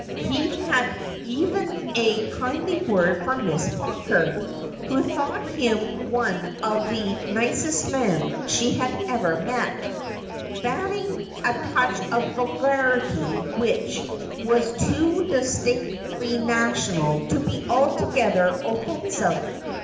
He had even a kindly word for Miss Pawker, who thought him one of the nicest men she had ever met ; bating a touch of vulgarity which was too distinctly national to be altogether offensive.